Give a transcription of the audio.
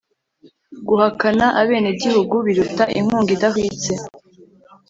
guhakana abenegihugu biruta inkunga idahwitse.